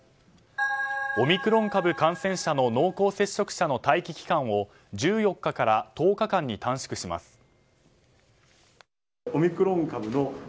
オミクロン株感染者の濃厚接触者の待機期間を１４日から１０日間に短縮します。